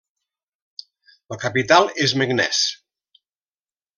La capital és Meknès.